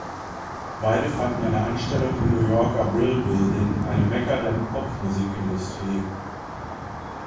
Beide fanden eine Anstellung im New Yorker Brill Building, einem Mekka der Pop-Musikindustrie.